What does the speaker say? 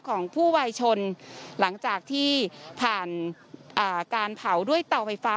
ของผู้วายชนหลังจากที่ผ่านการเผาด้วยเตาไฟฟ้า